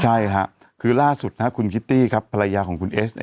ใช่ฮะราศุคคุณคิตตี้ครับภรรยาของคุณเอส